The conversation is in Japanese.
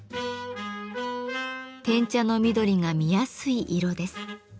碾茶の緑が見やすい色です。